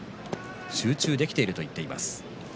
集中できていると言っています。